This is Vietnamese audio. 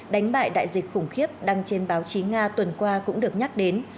đánh bại đại dịch khủng khiếp đăng trên báo chí nga tuần qua cũng được nhắc đến